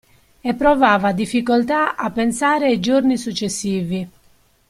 E provava difficoltà a pensare ai giorni successivi.